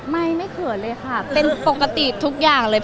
ไม่ไม่เขินเลยค่ะเป็นปกติทุกอย่างเลย